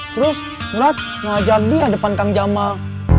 terus ngeliat ngajar dia depan kang jamal